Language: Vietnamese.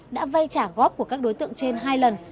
đã vây trả góp của các đối tượng trên hai lần